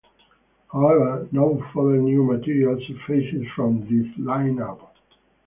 However, no further new material surfaced from this line-up.